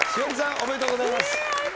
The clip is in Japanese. ありがとうございます。